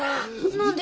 何で？